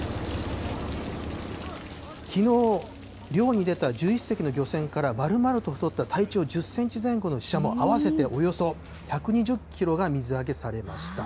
きのう、漁に出た１１隻の漁船から、まるまると太った体長１０センチ前後のししゃも合わせておよそ１２０キロが水揚げされました。